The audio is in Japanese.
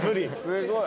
すごい。